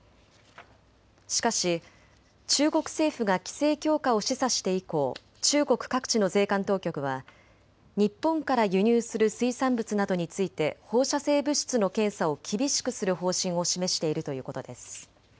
しかし中国政府が規制強化を示唆して以降、中国各地の税関当局は日本から輸入する水産物などについて放射性物質の検査を厳しくする方針を示しているということです。